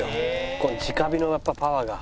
この直火のやっぱりパワーが。